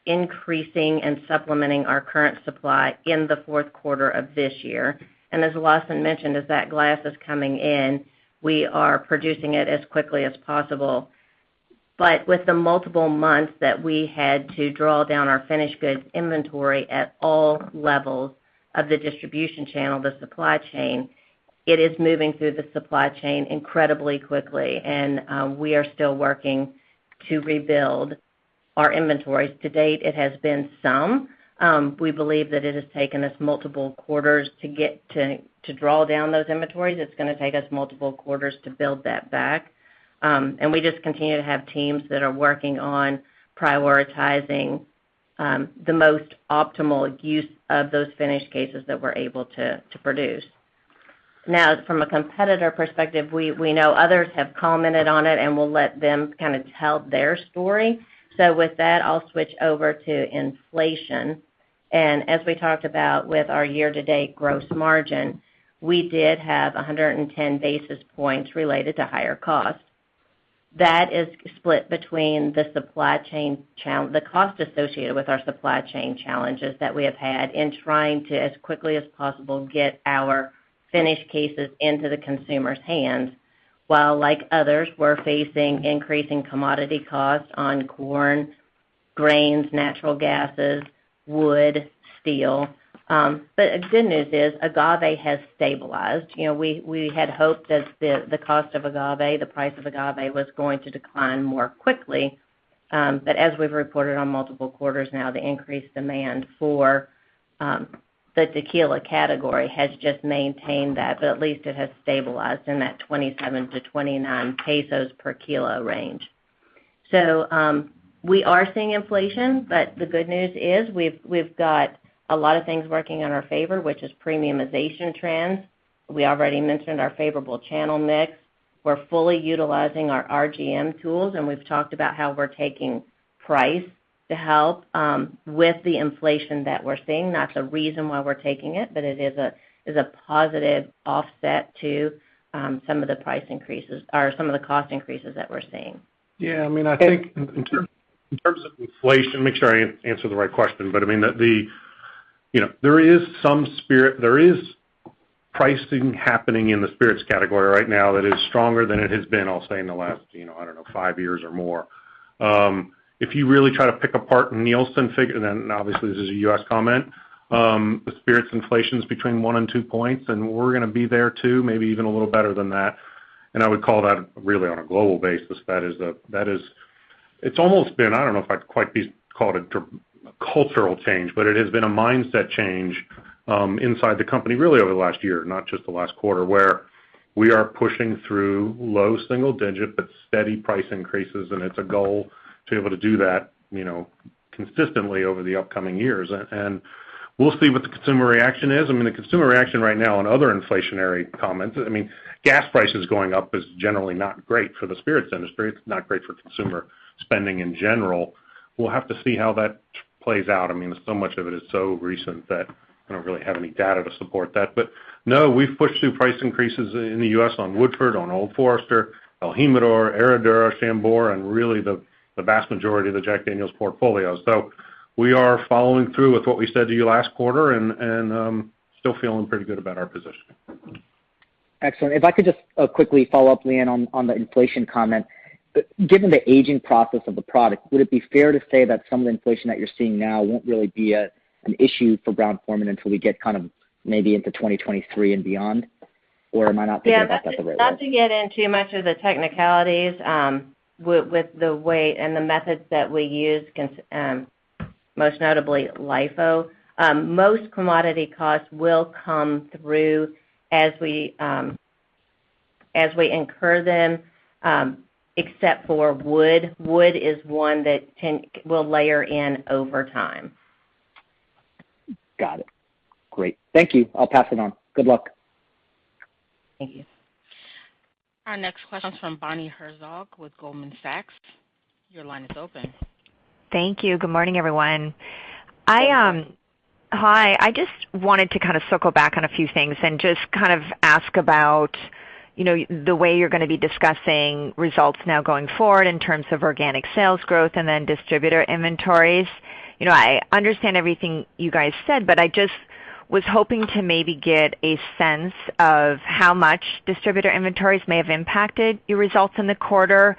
increasing and supplementing our current supply in the fourth quarter of this year. As Lawson mentioned, as that glass is coming in, we are producing it as quickly as possible. With the multiple months that we had to draw down our finished goods inventory at all levels of the distribution channel, the supply chain, it is moving through the supply chain incredibly quickly, and we are still working to rebuild our inventories. To date, it has been some. We believe that it has taken us multiple quarters to draw down those inventories. It's gonna take us multiple quarters to build that back. We just continue to have teams that are working on prioritizing the most optimal use of those finished cases that we're able to produce. Now, from a competitor perspective, we know others have commented on it, and we'll let them kind of tell their story. With that, I'll switch over to inflation. As we talked about with our year-to-date gross margin, we did have 110 basis points related to higher costs. That is split between the cost associated with our supply chain challenges that we have had in trying to, as quickly as possible, get our finished cases into the consumer's hands, while like others, we're facing increasing commodity costs on corn, grains, natural gas, wood, steel. The good news is agave has stabilized. You know, we had hoped that the cost of agave, the price of agave was going to decline more quickly. As we've reported on multiple quarters now, the increased demand for the tequila category has just maintained that, but at least it has stabilized in that 27-29 pesos per kilo range. We are seeing inflation, but the good news is we've got a lot of things working in our favor, which is premiumization trends. We already mentioned our favorable channel mix. We're fully utilizing our RGM tools, and we've talked about how we're taking price to help with the inflation that we're seeing. Not the reason why we're taking it, but it is a positive offset to some of the price increases or some of the cost increases that we're seeing. Yeah. I mean, I think in terms of inflation, make sure I answer the right question. I mean, you know, there is pricing happening in the spirits category right now that is stronger than it has been, I'll say, in the last, you know, I don't know, five years or more. If you really try to pick apart Nielsen figures, then obviously, this is a U.S. comment. The spirits inflation is between one and two points, and we're gonna be there too, maybe even a little better than that. I would call that really on a global basis. It's almost been. I don't know if I'd quite call it a cultural change, but it has been a mindset change inside the company really over the last year, not just the last quarter, where we are pushing through low single digit, but steady price increases, and it's a goal to be able to do that, you know, consistently over the upcoming years. We'll see what the consumer reaction is. I mean, the consumer reaction right now on other inflationary comments, I mean, gas prices going up is generally not great for the spirits industry. It's not great for consumer spending in general. We'll have to see how that plays out. I mean, so much of it is so recent that I don't really have any data to support that. No, we've pushed through price increases in the U.S. on Woodford Reserve, on Old Forester, el Jimador, Herradura, Sambuca, and really the vast majority of the Jack Daniel's portfolio. We are following through with what we said to you last quarter and still feeling pretty good about our positioning. Excellent. If I could just quickly follow up, Leanne, on the inflation comment. Given the aging process of the product, would it be fair to say that some of the inflation that you're seeing now won't really be an issue for Brown-Forman until we get kind of maybe into 2023 and beyond? Or am I not thinking about that the right way? Yeah. Not to get into much of the technicalities, with the way and the methods that we use in costing, most notably LIFO. Most commodity costs will come through as we incur them, except for wood. Wood is one that will layer in over time. Got it. Great. Thank you. I'll pass it on. Good luck. Thank you. Our next question is from Bonnie Herzog with Goldman Sachs. Your line is open. Thank you. Good morning, everyone. Hi. I just wanted to kind of circle back on a few things and just kind of ask about, you know, the way you're gonna be discussing results now going forward in terms of organic sales growth and then distributor inventories. You know, I understand everything you guys said, but I just was hoping to maybe get a sense of how much distributor inventories may have impacted your results in the quarter.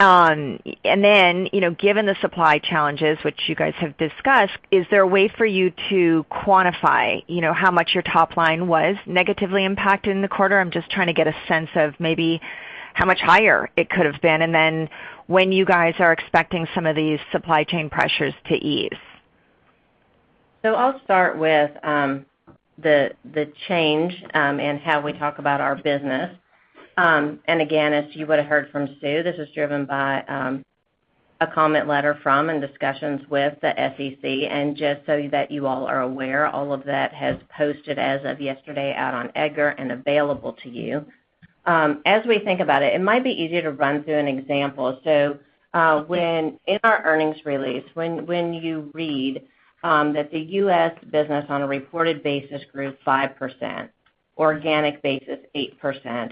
You know, given the supply challenges which you guys have discussed, is there a way for you to quantify, you know, how much your top line was negatively impacted in the quarter? I'm just trying to get a sense of maybe how much higher it could have been, and then when you guys are expecting some of these supply chain pressures to ease. I'll start with the change and how we talk about our business. Again, as you would have heard from Sue, this is driven by a comment letter from the SEC and discussions with the SEC. Just so that you all are aware, all of that has posted as of yesterday out on EDGAR and available to you. As we think about it might be easier to run through an example. In our earnings release, when you read that the U.S. business on a reported basis grew 5%, organic basis, 8%,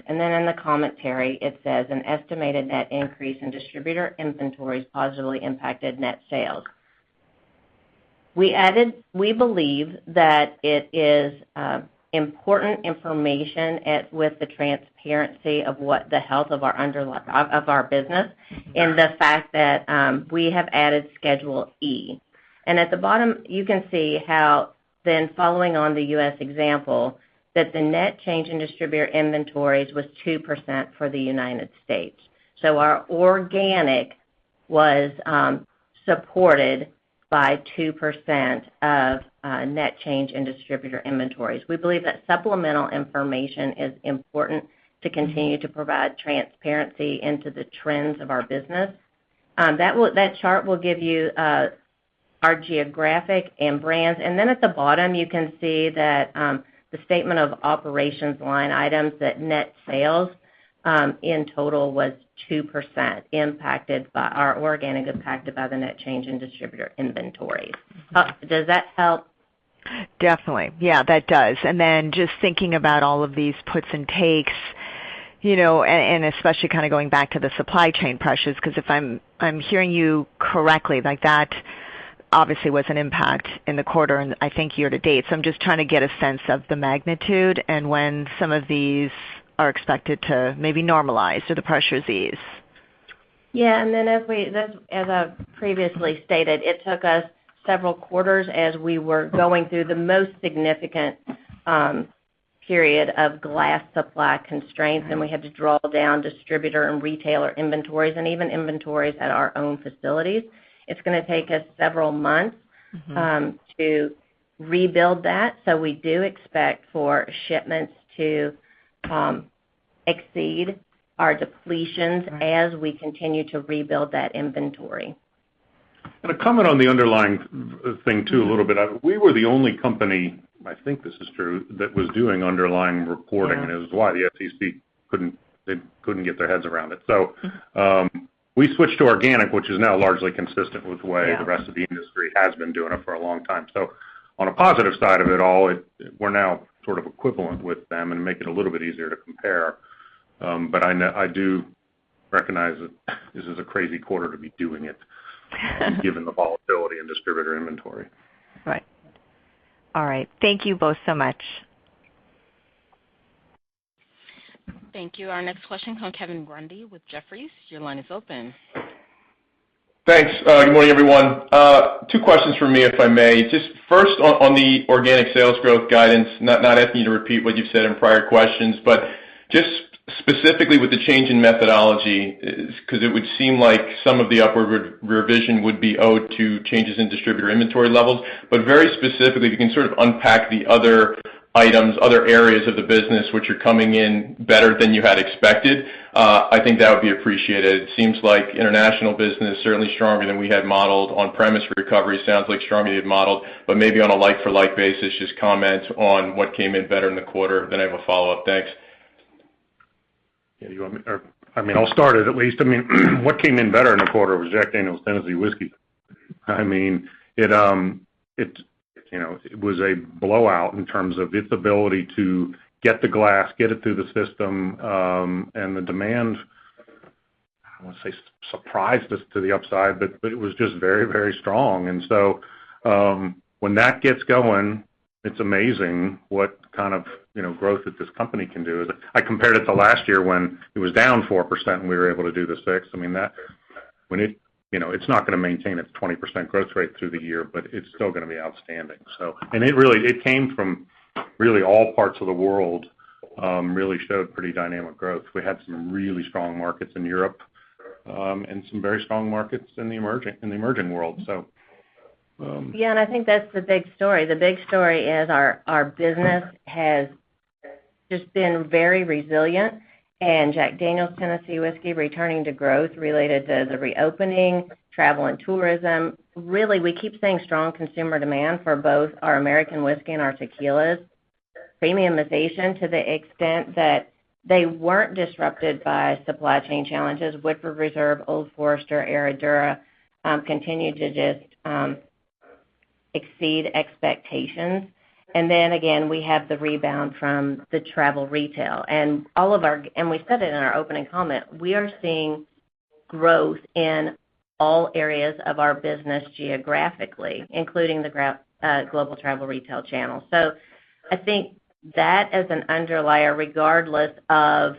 and then in the commentary, it says an estimated net increase in distributor inventories positively impacted net sales. We believe that it is important information with the transparency of what the health of our underlying business and the fact that we have added Schedule E. At the bottom, you can see how then following on the U.S. example, that the net change in distributor inventories was 2% for the United States. Our organic was supported by 2% of net change in distributor inventories. We believe that supplemental information is important to continue to provide transparency into the trends of our business. That chart will give you our geographic and brands. Then at the bottom, you can see that the statement of operations line items that net sales in total was 2% impacted by or organic impacted by the net change in distributor inventories. Does that help? Definitely. Yeah, that does. Just thinking about all of these puts and takes, you know, and especially kinda going back to the supply chain pressures, 'cause if I'm hearing you correctly, like that obviously was an impact in the quarter and I think year to date. I'm just trying to get a sense of the magnitude and when some of these are expected to maybe normalize or the pressures ease. As I've previously stated, it took us several quarters as we were going through the most significant period of glass supply constraints, and we had to draw down distributor and retailer inventories and even inventories at our own facilities. It's gonna take us several months. ...to rebuild that, we do expect for shipments to exceed our depletions as we continue to rebuild that inventory. A comment on the underlying thing too a little bit. We were the only company, I think this is true, that was doing underlying reporting. Yeah. This is why the SEC couldn't get their heads around it. We switched to organic, which is now largely consistent with the way Yeah ...the rest of the industry has been doing it for a long time. On a positive side of it all, we're now sort of equivalent with them and make it a little bit easier to compare. I do recognize that this is a crazy quarter to be doing it, given the volatility in distributor inventory. Right. All right. Thank you both so much. Thank you. Our next question comes from Kevin Grundy with Jefferies. Your line is open. Thanks. Good morning, everyone. Two questions from me, if I may. Just first on the organic sales growth guidance, not asking you to repeat what you've said in prior questions, but just specifically with the change in methodology, 'cause it would seem like some of the upward revision would be owed to changes in distributor inventory levels. But very specifically, if you can sort of unpack the other items, other areas of the business which are coming in better than you had expected, I think that would be appreciated. It seems like international business, certainly stronger than we had modeled. On-premise recovery sounds like stronger than you had modeled. But maybe on a like-for-like basis, just comment on what came in better in the quarter, then I have a follow-up. Thanks. I'll start it, at least. I mean, what came in better in the quarter was Jack Daniel's Tennessee Whiskey. I mean, you know, it was a blowout in terms of its ability to get the glass, get it through the system, and the demand. I wouldn't say surprised us to the upside, but it was just very, very strong. When that gets going, it's amazing what kind of, you know, growth that this company can do. I compared it to last year when it was down 4%, and we were able to do the six. I mean, when it gets going, you know, it's not gonna maintain its 20% growth rate through the year, but it's still gonna be outstanding. It came from really all parts of the world, really showed pretty dynamic growth. We had some really strong markets in Europe, and some very strong markets in the emerging world. Yeah, I think that's the big story. The big story is our business has just been very resilient. Jack Daniel's Tennessee Whiskey returning to growth related to the reopening, travel and tourism. Really, we keep seeing strong consumer demand for both our American whiskey and our tequilas, premiumization to the extent that they weren't disrupted by supply chain challenges. Woodford Reserve, Old Forester, Ardora continue to just exceed expectations. Then again, we have the rebound from the travel retail. We said it in our opening comment, we are seeing growth in all areas of our business geographically, including the global travel retail channel. I think that is an underlier regardless of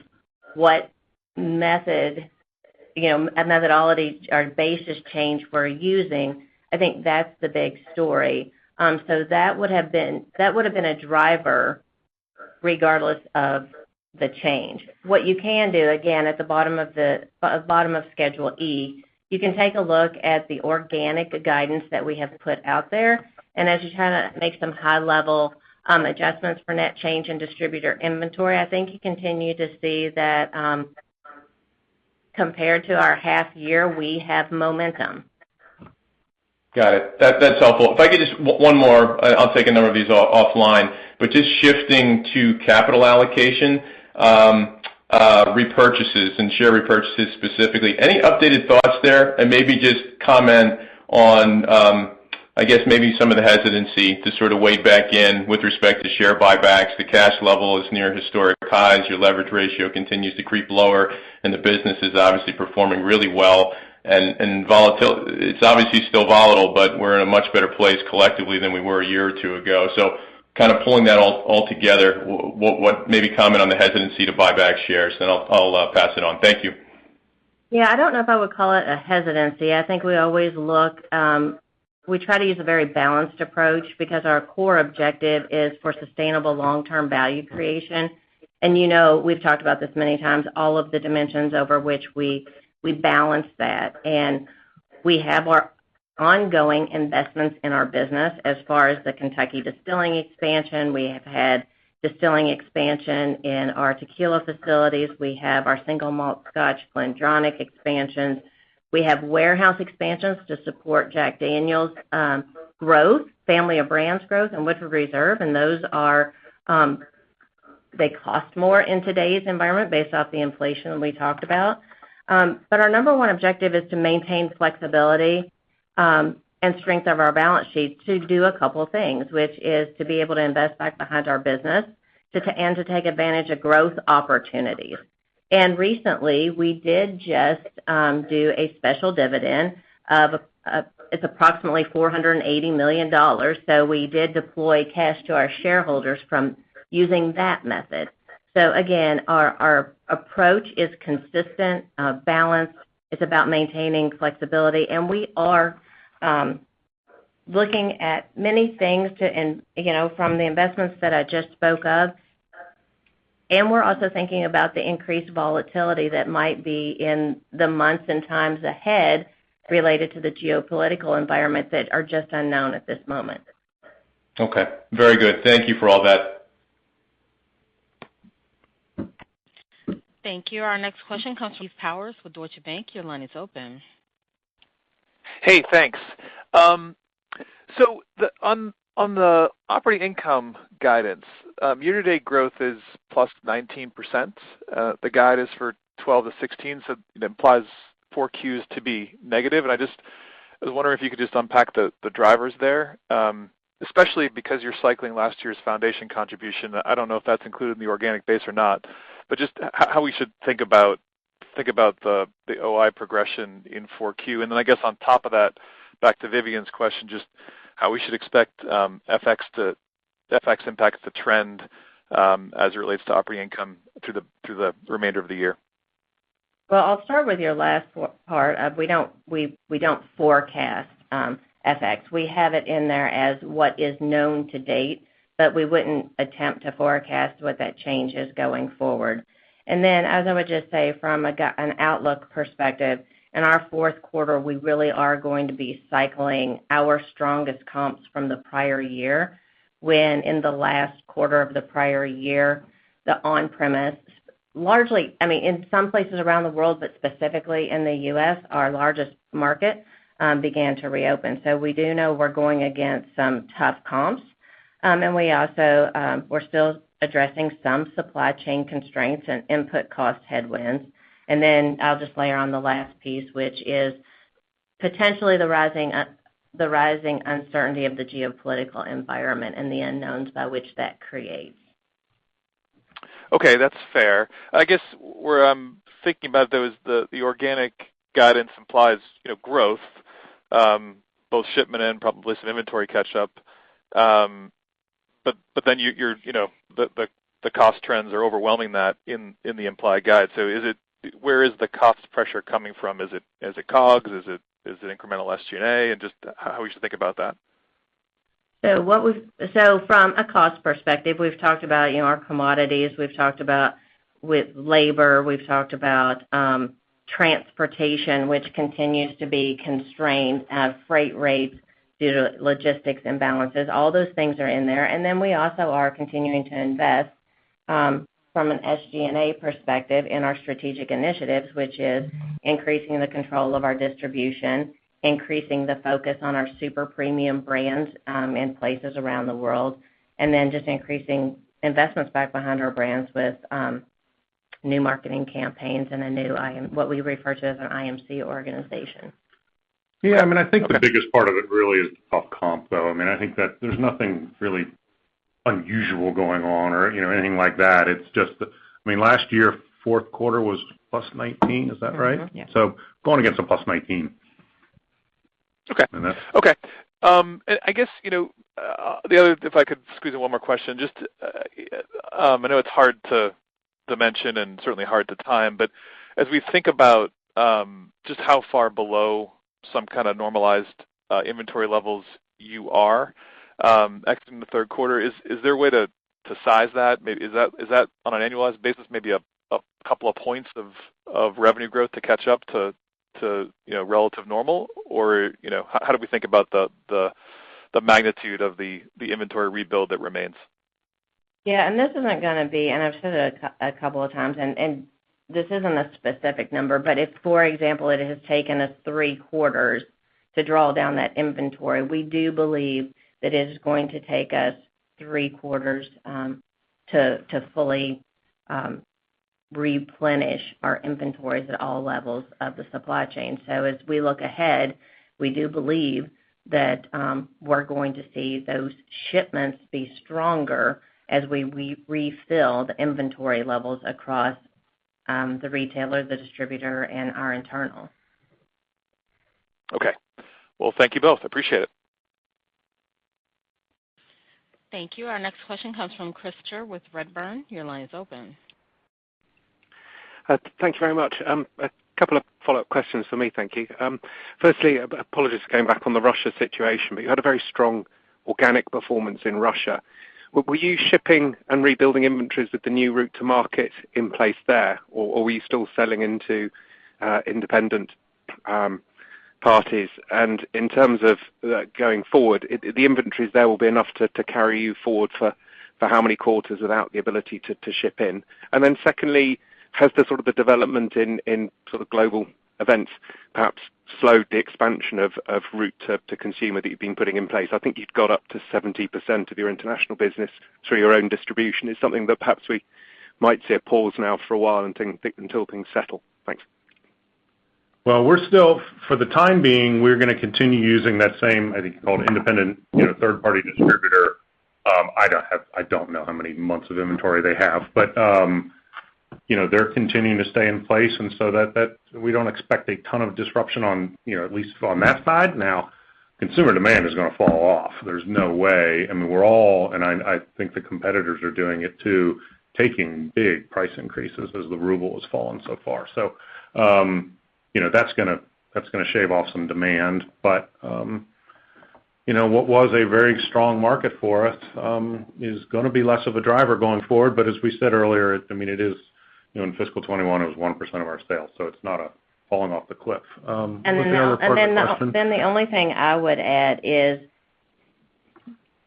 what method, you know, methodology or basis change we're using, I think that's the big story. That would have been a driver regardless of the change. What you can do, again, at the bottom of Schedule E, you can take a look at the organic guidance that we have put out there. As you try to make some high-level adjustments for net change in distributor inventory, I think you continue to see that, compared to our half year, we have momentum. Got it. That's helpful. If I could just one more. I'll take a number of these offline. Just shifting to capital allocation, repurchases and share repurchases specifically. Any updated thoughts there? Maybe just comment on, I guess maybe some of the hesitancy to sort of wade back in with respect to share buybacks. The cash level is near historic highs. Your leverage ratio continues to creep lower, and the business is obviously performing really well. It's obviously still volatile, but we're in a much better place collectively than we were a year or two ago. Kind of pulling that all together, what. Maybe comment on the hesitancy to buy back shares, then I'll pass it on. Thank you. Yeah. I don't know if I would call it a hesitancy. I think we always look. We try to use a very balanced approach because our core objective is for sustainable long-term value creation. You know, we've talked about this many times, all of the dimensions over which we balance that. We have our ongoing investments in our business. As far as the Kentucky distilling expansion, we have had distilling expansion in our tequila facilities. We have our single malt Scotch GlenDronach expansions. We have warehouse expansions to support Jack Daniel's growth, family of brands growth, and Woodford Reserve. Those are. They cost more in today's environment based off the inflation we talked about. Our number one objective is to maintain flexibility and strength of our balance sheet to do a couple of things, which is to be able to invest back behind our business and to take advantage of growth opportunities. Recently, we did just do a special dividend. It's approximately $480 million. We did deploy cash to our shareholders from using that method. Our approach is consistent, balanced. It's about maintaining flexibility, and we are looking at many things, and you know, from the investments that I just spoke of, and we're also thinking about the increased volatility that might be in the months and times ahead related to the geopolitical environment that are just unknown at this moment. Okay. Very good. Thank you for all that. Thank you. Our next question comes from Steve Powers with Deutsche Bank. Your line is open. Hey, thanks. On the operating income guidance, year-to-date growth is +19%. The guide is for 12%-16%, so it implies 4Q to be negative. I was wondering if you could just unpack the drivers there, especially because you're cycling last year's foundation contribution. I don't know if that's included in the organic base or not, but just how we should think about the OI progression in 4Q. I guess on top of that, back to Vivian's question, just how we should expect FX impact to trend as it relates to operating income through the remainder of the year. Well, I'll start with your last part. We don't forecast FX. We have it in there as what is known to date, but we wouldn't attempt to forecast what that change is going forward. Then, as I would just say from an outlook perspective, in our fourth quarter, we really are going to be cycling our strongest comps from the prior year when in the last quarter of the prior year, the on-premise largely, I mean, in some places around the world, but specifically in the U.S., our largest market, began to reopen. We do know we're going against some tough comps, and we're still addressing some supply chain constraints and input cost headwinds. I'll just layer on the last piece, which is potentially the rising uncertainty of the geopolitical environment and the unknowns by which that creates. Okay, that's fair. I guess where I'm thinking about those, the organic guidance implies, you know, growth, both shipment and probably some inventory catch-up. You're, you know, the cost trends are overwhelming that in the implied guide. Where is the cost pressure coming from? Is it COGS? Is it incremental SG&A? And just how we should think about that. From a cost perspective, we've talked about, you know, our commodities, we've talked about with labor, we've talked about transportation, which continues to be constrained, freight rates due to logistics imbalances. All those things are in there. We also are continuing to invest from an SG&A perspective in our strategic initiatives, which is increasing the control of our distribution, increasing the focus on our super premium brands in places around the world, and then just increasing investments back behind our brands with new marketing campaigns and a new IMC organization. Yeah. I mean, I think the biggest part of it really is the tough comp, though. I mean, I think that there's nothing really unusual going on or, you know, anything like that. It's just the I mean, last year, fourth quarter was +19, is that right? Mm-hmm. Yeah. Going against a +19%. Okay. That's. Okay. I guess, you know, if I could squeeze in one more question, just, I know it's hard to mention and certainly hard to time, but as we think about, just how far below some kinda normalized, inventory levels you are, exiting the third quarter, is there a way to size that? Is that on an annualized basis, maybe a couple of points of revenue growth to catch up to, you know, relative normal? Or, you know, how do we think about the magnitude of the inventory rebuild that remains? This isn't gonna be, and I've said it a couple of times, and this isn't a specific number, but if, for example, it has taken us three quarters to draw down that inventory, we do believe that it is going to take us three quarters to fully replenish our inventories at all levels of the supply chain. As we look ahead, we do believe that we're going to see those shipments be stronger as we refill the inventory levels across the retailer, the distributor, and our internal. Okay. Well, thank you both. Appreciate it. Thank you. Our next question comes from Christopher Bryant with Redburn. Your line is open. Thank you very much. A couple of follow-up questions for me. Thank you. Firstly, apologies for coming back on the Russia situation, but you had a very strong organic performance in Russia. Were you shipping and rebuilding inventories with the new route to market in place there, or were you still selling into independent parties? In terms of going forward, the inventories there will be enough to carry you forward for how many quarters without the ability to ship in? Secondly, has the sort of development in sort of global events perhaps slowed the expansion of route to consumer that you've been putting in place? I think you've got up to 70% of your international business through your own distribution. It's something that perhaps we might see a pause now for a while until things settle. Thanks. Well, we're still, for the time being, we're gonna continue using that same, I think, called independent, you know, third-party distributor. I don't know how many months of inventory they have, but, you know, they're continuing to stay in place, and so that. We don't expect a ton of disruption on, you know, at least on that side. Now, consumer demand is gonna fall off. There's no way. I mean, we're all, and I think the competitors are doing it too, taking big price increases as the ruble has fallen so far. So, you know, that's gonna shave off some demand. You know, what was a very strong market for us is gonna be less of a driver going forward. as we said earlier, I mean, it is, you know, in fiscal 2021, it was 1% of our sales, so it's not a falling off the cliff. Was there a second question? The only thing I would add is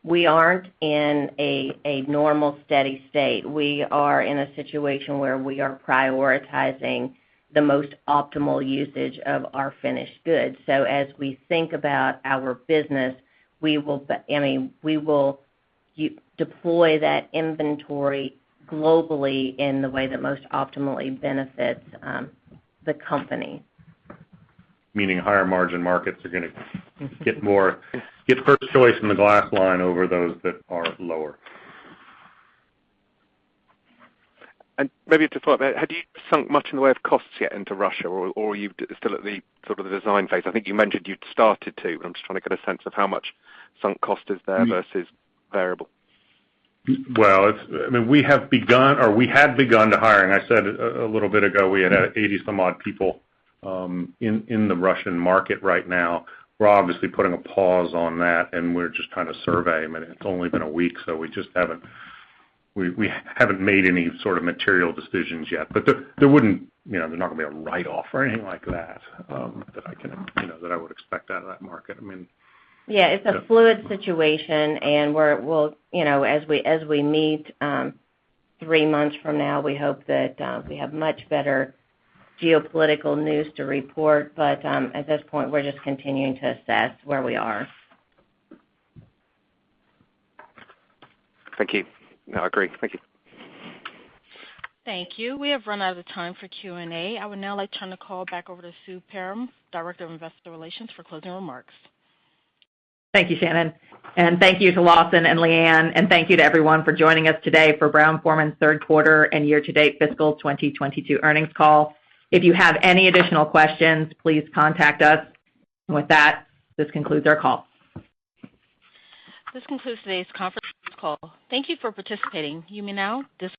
we aren't in a normal steady state. We are in a situation where we are prioritizing the most optimal usage of our finished goods. As we think about our business, we will deploy that inventory globally in the way that most optimally benefits the company. Meaning higher margin markets are gonna. Get more, get first choice in the glass line over those that are lower. Maybe to follow up, have you sunk much in the way of costs yet into Russia, or are you still at the sort of design phase? I think you mentioned you'd started to. I'm just trying to get a sense of how much sunk cost is there. versus variable. Well, I mean, we have begun, or we had begun to hiring. I said a little bit ago, we had- Yeah. 80-some-odd people in the Russian market right now. We're obviously putting a pause on that, and we're just trying to survey. I mean, it's only been a week, so we haven't made any sort of material decisions yet. There wouldn't, you know, there's not gonna be a write-off or anything like that that I can, you know, that I would expect out of that market. I mean Yeah, it's a fluid situation. You know, as we meet three months from now, we hope that we have much better geopolitical news to report. At this point, we're just continuing to assess where we are. Thank you. No, I agree. Thank you. Thank you. We have run out of time for Q&A. I would now like to turn the call back over to Sue Perram, Director of Investor Relations, for closing remarks. Thank you, Shannon. Thank you to Lawson and Leanne, and thank you to everyone for joining us today for Brown-Forman's third quarter and year-to-date fiscal 2022 earnings call. If you have any additional questions, please contact us. With that, this concludes our call. This concludes today's conference call. Thank you for participating. You may now dis-